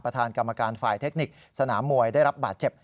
ประธานกรรมการฝ่ายเทคนิคสนามมวยได้รับบาดเจ็บ